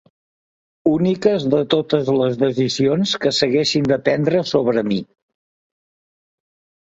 Úniques de totes les decisions que s'haguessin de prendre sobre mi.